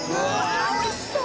あっおいしそう！